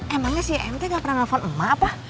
emangnya si emt gak pernah nelfon emak pak